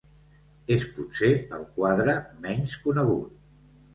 És potser el quadre menys conegut.